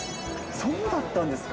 そうだったんですか。